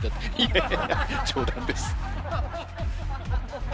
いやいや冗談です。